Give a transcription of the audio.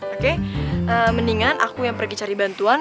oke mendingan aku yang pergi cari bantuan